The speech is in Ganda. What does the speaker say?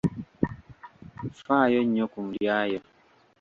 Ffaayo nnyo ku ndya yo.